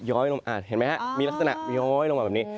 ใช่ย้อยลงมาเห็นไหมครับมีลักษณะย้อยลงมาแบบนี้